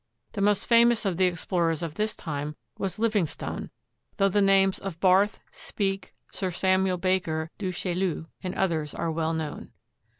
The most famous of the explorers of this time was Livingstone, though the names of Barth, Speke, Sir Samuel Baker, Du Chaillu, and others are well. known.